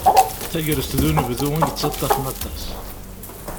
Tagrest d unebdu i yettaṭṭafen aṭas.